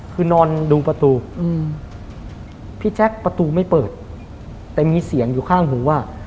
คือนอนดูประตูอืมพี่แจ๊คประตูไม่เปิดแต่มีเสียงอยู่ข้างหูว่า